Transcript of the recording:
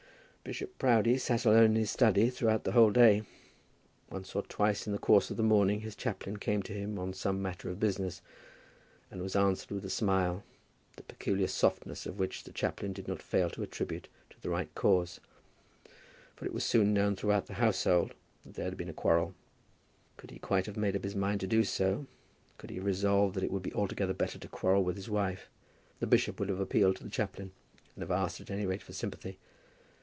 Bishop Proudie sat alone in his study throughout the whole day. Once or twice in the course of the morning his chaplain came to him on some matter of business, and was answered with a smile, the peculiar softness of which the chaplain did not fail to attribute to the right cause. For it was soon known throughout the household that there had been a quarrel. Could he quite have made up his mind to do so, could he have resolved that it would be altogether better to quarrel with his wife, the bishop would have appealed to the chaplain, and have asked at any rate for sympathy.